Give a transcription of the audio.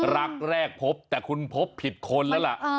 รักแรกพบแต่คุณพบผิดคนแล้วล่ะ